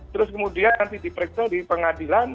terus kemudian nanti diperiksa di pengadilan